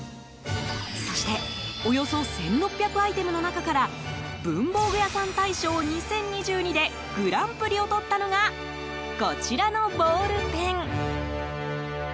そしておよそ１６００アイテムの中から文房具屋さん大賞２０２２でグランプリをとったのがこちらのボールペン。